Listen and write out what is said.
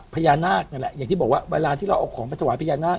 พญานาคนั่นแหละอย่างที่บอกว่าเวลาที่เราเอาของไปถวายพญานาค